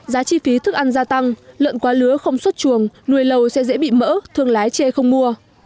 giá chi phí thức ăn gia tăng lợn quá lứa không xuất chuồng nuôi lầu sẽ dễ bị mỡ thương lái chê không mua